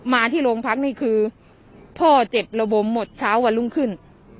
มาที่โรงพักนี่คือพ่อเจ็บระบมหมดเช้าวันรุ่งขึ้น